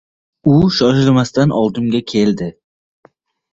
U shoshilmasdan oldimga keldi.